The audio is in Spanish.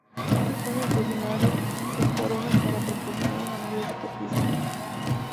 Muchas fases estacionarias son porosas para proporcionar una mayor superficie.